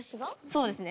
そうですね。